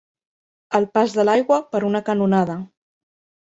El pas de l'aigua per una canonada.